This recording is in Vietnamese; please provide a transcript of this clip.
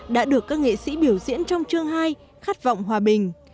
đã được các nghệ sĩ biểu diễn trong chương hai khát vọng hòa bình